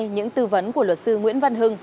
những tư vấn của luật sư nguyễn văn hưng